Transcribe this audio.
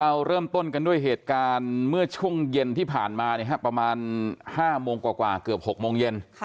เราเริ่มต้นกันด้วยเหตุการณ์เมื่อช่วงเย็นที่ผ่านมาประมาณ๕โมงกว่าเกือบ๖โมงเย็น